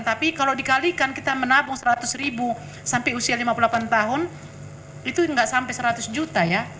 tapi kalau dikalikan kita menabung seratus ribu sampai usia lima puluh delapan tahun itu nggak sampai seratus juta ya